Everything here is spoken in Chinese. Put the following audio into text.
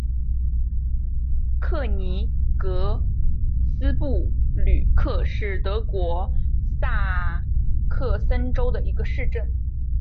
克尼格斯布吕克是德国萨克森州的一个市镇。